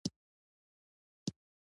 د تګاو قوماندان ورور وکتل.